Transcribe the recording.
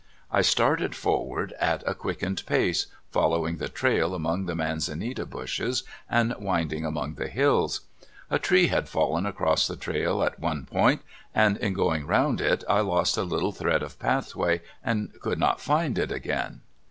I 28 CALIFORNIA SKETCHES. Started forward at a quickened pace, following the trail among the manzanita bushes, and winding among the hills. A tree had fallen across the trail at one point, and in going round it I lost the little thread of pathway and could not find it again.